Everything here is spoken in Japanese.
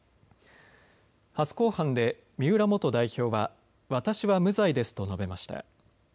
初公判で三浦元代表は私は無罪ですと述べました。